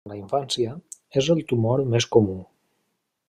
En la infància, és el tumor més comú.